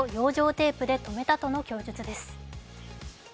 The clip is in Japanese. テープでとめたとの供述です。